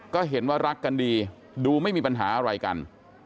ก็เห็นว่ารักกันดีดูไม่มีปัญหาอะไรกัน